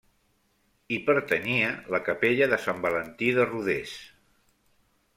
Hi pertanyia la capella de Sant Valentí de Rodès.